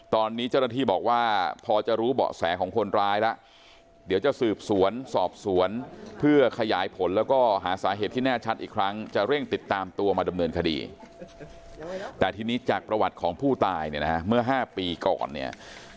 ตอนนี้เจ้าหน้าที่บอกว่าพอจะรู้เบาะแสของคนร้ายละเดี๋ยวจะสืบสวนสอบสวนเพื่อขยายผลแล้วก็หาสาเหตุที่แน่ชัดอีกครั้งจะเร่งติดตามตัวมาดำเนินคดี